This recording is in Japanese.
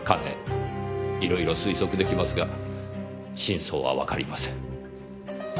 いろいろ推測できますが真相はわかりません。